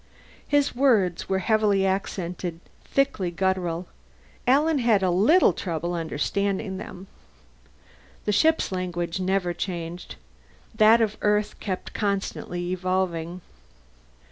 His words were heavily accented, thickly guttural; Alan had a little trouble understanding them. The ship's language never changed; that of Earth kept constantly evolving.